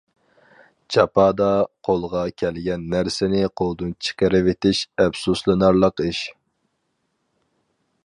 جاپادا قولغا كەلگەن نەرسىنى قولدىن چىقىرىۋېتىش ئەپسۇسلىنارلىق ئىش.